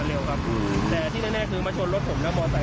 มันเร็วครับแต่ที่แน่คือมาชนรถผมแล้าก็บ่ไถ